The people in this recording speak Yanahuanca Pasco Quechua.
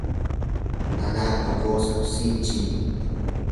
nanaapa qusan sinchim.